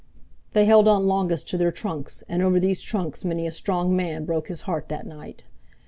They held on longest to their trunks, and over these trunks many a strong man broke his heart that night.